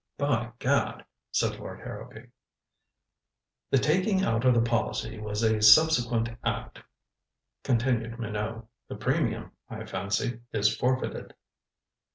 "By gad," said Lord Harrowby. "The taking out of the policy was a subsequent act," continued Minot. "The premium, I fancy, is forfeited."